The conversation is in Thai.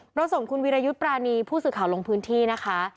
เราส่งคุณวิรยุทธ์ปรานีผู้สื่อข่าวลงพื้นที่นะคะ